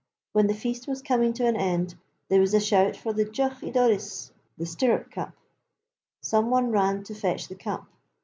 When the feast was coming to an end there was a shout for the Jough y dorrys, the Stirrup Cup. Some one ran to fetch the cup.